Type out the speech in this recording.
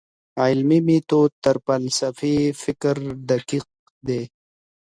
علمي ميتود تر فلسفي فکر دقيق دی.